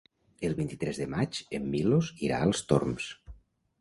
El vint-i-tres de maig en Milos irà als Torms.